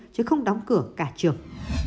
chứ không đóng cửa cả trường